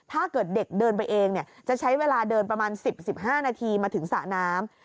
ถ้าเกิดเด็กเดินไปเองจะใช้เวลาเดินประมาณ๑๐๑๕นาทีมาถึงสระน้ำ